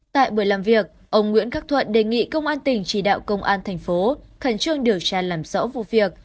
tại buổi làm việc ông nguyễn khắc thuận đề nghị công an tỉnh chỉ đạo công an thành phố khẩn trương điều tra làm rõ vụ việc